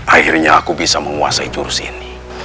akhirnya aku bisa menguasai jurus ini